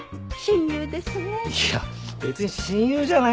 いや別に親友じゃないから。